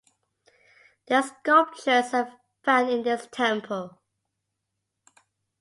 Their sculptures are found in this temple.